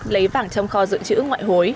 lấy vàng trong kho dự trữ ngoại hối